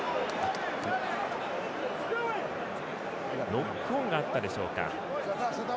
ノックオンがあったでしょうか。